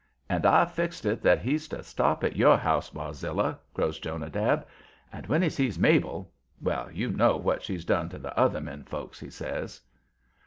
"And I've fixed it that he's to stop at your house, Barzilla," crows Jonadab. "And when he sees Mabel well, you know what she's done to the other men folks," he says.